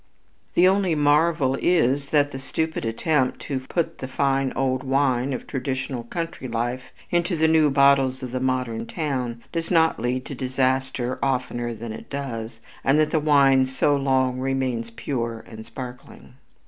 The only marvel is that the stupid attempt to put the fine old wine of traditional country life into the new bottles of the modern town does not lead to disaster oftener than it does, and that the wine so long remains pure and sparkling.